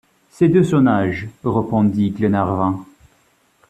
C’est de son âge, répondit Glenarvan.